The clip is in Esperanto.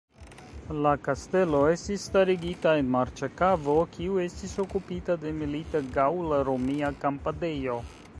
La kastelo estis starigita en marĉa kavo, kiu estis okupita de milita gaŭla-romia kampadejo.